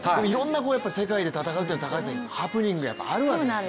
世界で戦うというのはいろんなハプニングがあるわけですよね。